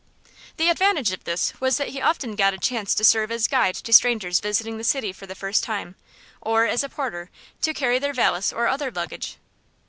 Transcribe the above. The advantage of this was that he often got a chance to serve as guide to strangers visiting the city for the first time, or as porter, to carry their valise or other luggage.